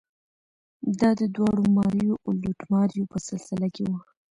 دا د داړه ماریو او لوټماریو په سلسله کې وه.